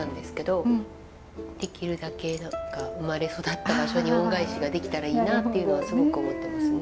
できるだけ生まれ育った場所に恩返しができたらいいなあっていうのはすごく思ってますね。